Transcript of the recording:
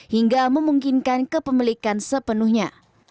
hingga memungkinkan kepemilikan sepenuhnya